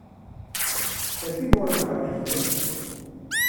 Σε τι μπορώ να καταγίνω;